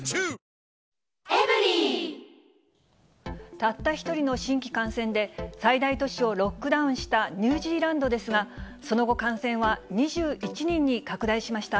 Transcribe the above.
たった一人の新規感染で最大都市をロックダウンしたニュージーランドですが、その後感染は２１人に拡大しました。